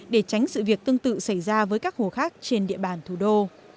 để tránh sự việc tương tự xảy ra với các hồ khác trên địa bàn thủ đô